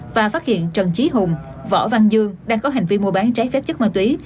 và phát hiện trần trí hùng võ văn dương đang có hành vi mua bán trái phép chất ma túy